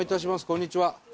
こんにちは。